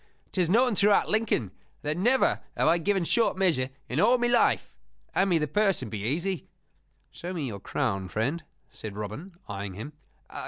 'Tis known throughout Lincoln that never have I given short measure in all my life. Hand me the purse and be easy." "Show me your crown, friend," said Robin, eyeing him.